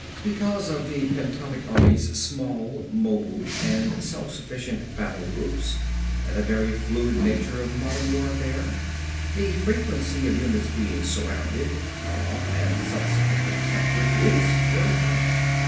"Because of the pentomic army's small, mobile and self sufficient battle groups and the very fluid nature of modern warfare the frequency of units being surrounded, cut off and subsequently captured is very high.